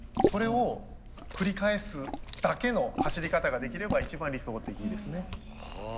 それを繰り返すだけの走り方ができれば一番理想的ですね。